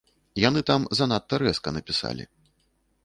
Яны там занадта рэзка напісалі.